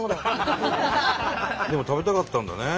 でも食べたかったんだね。